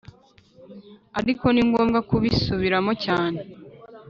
ariko ni ngombwa kubisubiramo cyane .